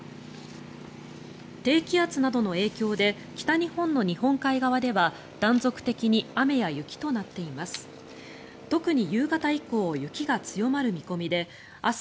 低気圧などの影響で北日本の日本海側では断続的に雨や雪となっています。